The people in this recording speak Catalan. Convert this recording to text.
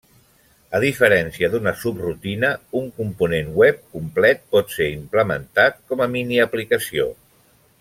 A diferència d'una subrutina, un component web complet pot ser implementat com a miniaplicació.